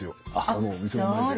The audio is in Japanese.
あのお店の前で。